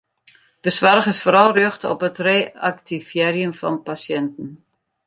De soarch is foaral rjochte op it reaktivearjen fan pasjinten.